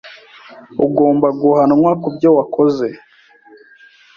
Ugomba guhanwa kubyo wakoze.